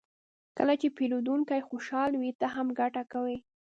کله چې پیرودونکی خوشحال وي، ته هم ګټه کوې.